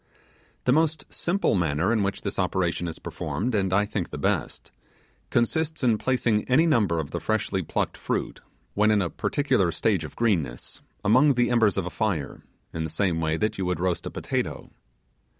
The most simple manner in which this operation is performed, and I think, the best, consists in placing any number of the freshly plucked fruit, when in a particular state of greenness, among the embers of a fire, in the same way that you would roast a potato.